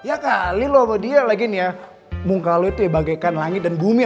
akali lu obat dia lagi ini ya burung kalau seperti bagaikan langit dan bumi